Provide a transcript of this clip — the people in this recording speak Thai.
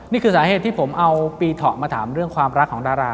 นี่คือสาเหตุที่ผมเอาปีเถาะมาถามเรื่องความรักของดารา